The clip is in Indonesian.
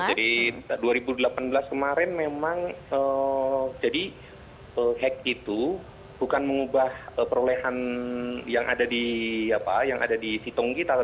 nah jadi dua ribu delapan belas kemarin memang jadi hack itu bukan mengubah perolehan yang ada di apa yang ada di sitong gitu